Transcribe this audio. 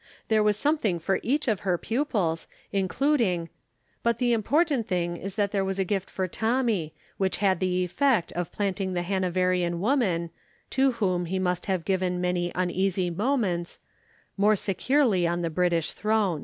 There was something for each of her pupils, including but the important thing is that there was a gift for Tommy, which had the effect of planting the Hanoverian Woman (to whom he must have given many uneasy moments) more securely on the British Throne.